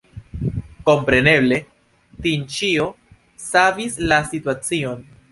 Kompreneble, Tinĉjo savis la situacion.